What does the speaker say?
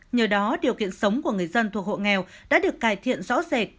nhờ đó điều kiện sống của người dân thuộc hộ nghèo đã được cải thiện rõ rệt